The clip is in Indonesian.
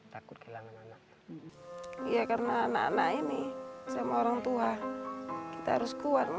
takut kehilangan anak